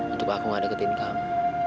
untuk aku mau deketin kamu